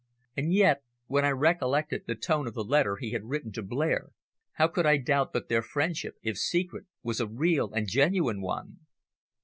And yet, when I recollected the tone of the letter he had written to Blair, how could I doubt but their friendship, if secret, was a real and genuine one?